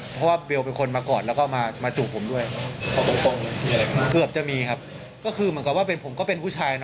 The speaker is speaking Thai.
เพราะว่าเบลเป็นคนมากอดแล้วก็มาจูบผมด้วยบอกตรงตรงเกือบจะมีครับก็คือเหมือนกับว่าเป็นผมก็เป็นผู้ชายนะ